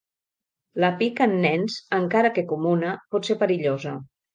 La pica en nens, encara que comuna, pot ser perillosa.